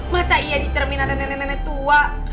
masa iya dicermin ada nenek nenek tua